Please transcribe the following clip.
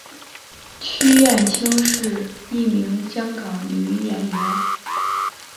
区燕青是一名香港女演员。